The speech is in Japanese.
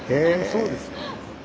そうですか。